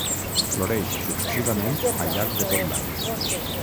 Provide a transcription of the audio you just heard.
Floreix successivament al llarg de tot l'any.